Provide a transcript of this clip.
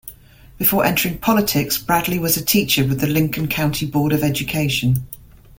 Before entering politics, Bradley was a teacher with the Lincoln County Board of Education.